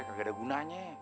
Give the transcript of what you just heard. gak ada gunanya